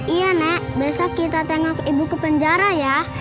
iya nak besok kita tengok ibu ke penjara ya